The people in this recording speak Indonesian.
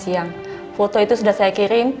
siang foto itu sudah saya kirim